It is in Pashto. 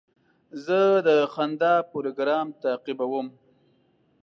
زه د خندا پروګرام تعقیبوم.